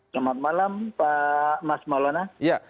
selamat malam pak mas maulana